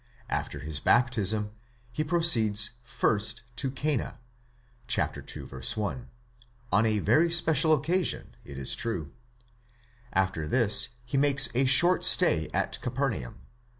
After his baptism he proceeds first to Cana (ii. 1), on a special occasion, it is true ; after this he makes a short stay at Capernaum (v.